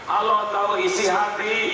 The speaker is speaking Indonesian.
allah tahu isi hati